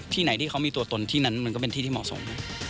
ไหนที่เขามีตัวตนที่นั้นมันก็เป็นที่ที่เหมาะสม